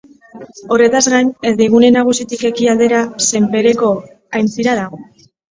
Horretaz gain, herrigune nagusitik ekialdera Senpereko aintzira dago.